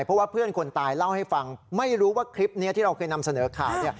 เพราะว่าเพื่อนคนตายเล่าให้ฟังไม่รู้ว่าคลิปนี้ที่เราเคยนำเสนอข่าว